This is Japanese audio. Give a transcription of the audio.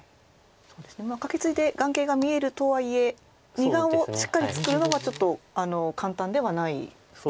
カケツイで眼形が見えるとはいえ２眼をしっかり作るのはちょっと簡単ではないですよね。